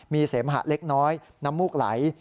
มีเสมหะเล็กน้อยน้ำมูกไหล